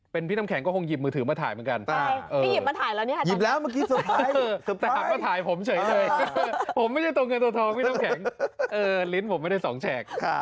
เป็นพี่น้ำแข็งก็คงหยิบมือถือมาถ่ายเหมือนกันแต่หากมาถ่ายผมเฉยเลยผมไม่ใช่ตัวเงินตัวทองพี่น้ำแข็งลิ้นผมไม่ได้สองแฉก